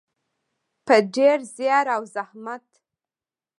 په ډیر زیار او زحمت.